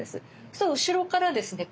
そしたら後ろからですね